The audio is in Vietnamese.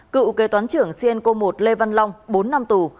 cựu kế toán trưởng cenco một lê văn long bốn năm tù